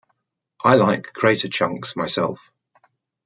I like greater chunks, myself.